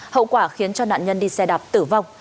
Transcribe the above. hậu quả khiến cho nạn nhân đi xe đạp tử vong